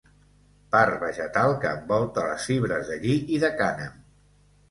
Part vegetal que envolta les fibres de lli i de cànem.